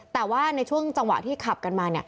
แต่ว่าในช่วงจังหวะที่ขับกันมา